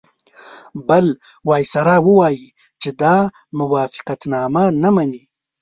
بل وایسرا ووایي چې دا موافقتنامه نه مني.